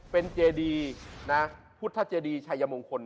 เป็นเจดีนะพุทธเจดีชัยมงคล